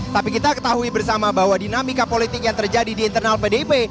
tapi kita ketahui bersama bahwa dinamika politik yang terjadi di internal pdip